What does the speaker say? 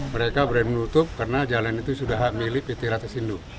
mereka berani menutup karena jalan itu sudah milik pt ratesindo